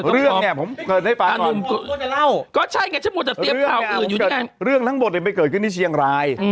เรื่องเนี่ยผมเกิดให้ฟังก่อนเรื่องเนี่ยผมเกิดเรื่องทั้งหมดยังไม่เกิดขึ้นที่เชียงราย